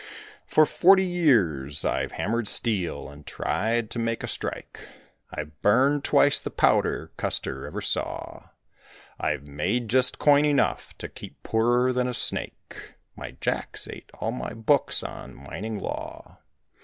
"For forty years I've hammered steel and tried to make a strike, I've burned twice the powder Custer ever saw. I've made just coin enough to keep poorer than a snake. My jack's ate all my books on mining law.